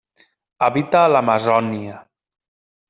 Habita a l'Amazònia.